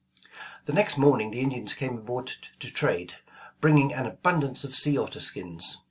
The next morning the Indians came aboard to trade, bringing an abundance of sea otter skins.